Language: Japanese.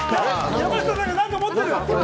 山下さんが何か持ってるよ！